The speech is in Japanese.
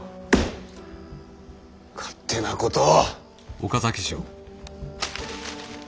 勝手なことを！